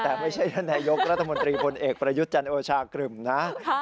แต่ไม่ใช่ท่านนายกรัฐมนตรีพลเอกประยุทธ์จันโอชากรึ่มนะ